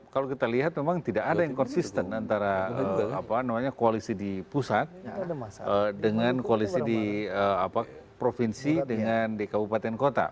kalau kita lihat memang tidak ada yang konsisten antara koalisi di pusat dengan koalisi di provinsi dengan di kabupaten kota